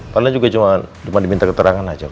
karena juga cuma diminta keterangan aja